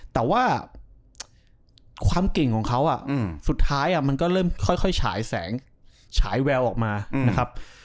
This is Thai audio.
แต่ว่าความเก่งของเขาสุดท้ายมันก็เริ่มค่อยฉายแสงฉายแววออกมานะครับ